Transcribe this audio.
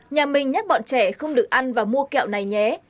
nhà mình nhắc bọn trẻ không được ăn và mua kẹo này nhé